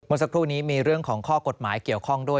สักครู่นี้มีเรื่องของข้อกฎหมายเกี่ยวข้องด้วย